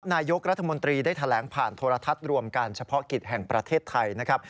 นายกรัฐมนตรีได้แถลงผ่านโทรทัศน์รวมการเฉพาะกิจแห่งประเทศไทยนะครับ